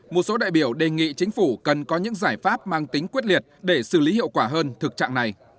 một số đại biểu đề nghị chính phủ cần có những giải pháp mang tính quyết liệt để xử lý hiệu quả hơn thực trạng này